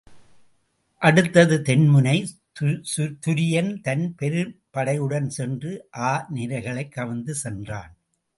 அடுத்தது தென் முனை துரியன் தன் பெரும்படையுடன் சென்று ஆநிரைகளைக் கவர்ந்து சென்றான்.